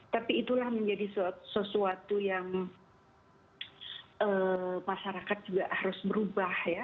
tapi itulah menjadi sesuatu yang masyarakat juga harus berubah ya